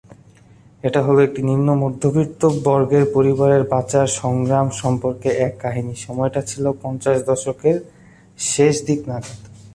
এটা হল একটা নিম্ন মধ্যবিত্ত বর্গের পরিবারের বাঁচার সংগ্রাম সম্পর্কে এক কাহিনি; সময়টা ছিল পঞ্চাশের দশকের শেষ দিক নাগাদ।